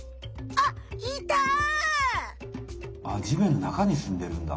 あっじめんの中にすんでるんだ。